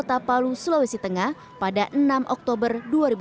pertama di palu sulawesi tengah pada enam oktober dua ribu delapan belas